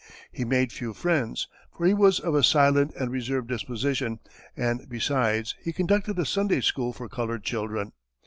He made few friends, for he was of a silent and reserved disposition, and besides, he conducted a Sunday school for colored children.